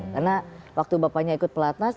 karena waktu bapaknya ikut pelatnas